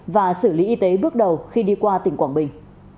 và xử lý y tế bước đầu khi đi qua tỉnh quảng bình